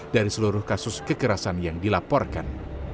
dari seluruh kasus kekerasan yang dilaporkan